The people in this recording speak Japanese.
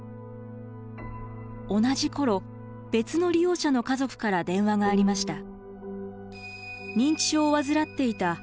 同じ頃別の利用者の家族から電話がありました。